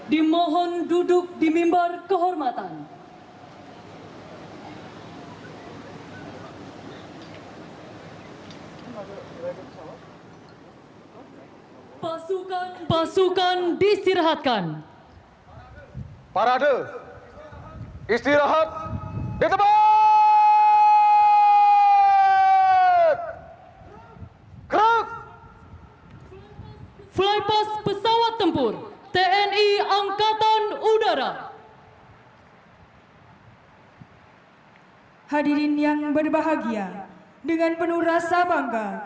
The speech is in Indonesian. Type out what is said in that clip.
serta seluruh rakyat indonesia